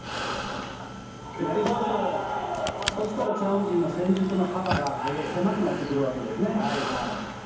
そうしたらチャン・ウジンが戦術の幅が狭くなってくるわけですね。